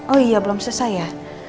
oh iya belum selesai ya